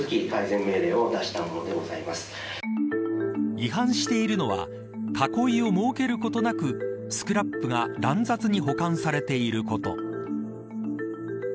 違反しているのは囲いを設けることなくスクラップが乱雑に保管されていること。